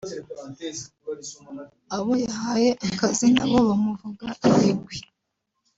abo yahaye akazi nabo bamuvuga ibigwi